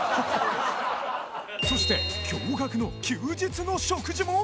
そして驚愕の休日の食事も！